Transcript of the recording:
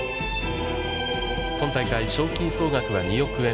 今大会の賞金総額は２億円。